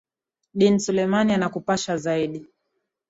din selumani anakupasha zaidi